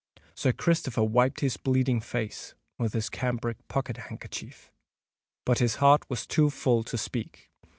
Sir Christopher wiped his bleeding face with his cambric pocket handkerchief: but his heart was too full to speak.